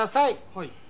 はい。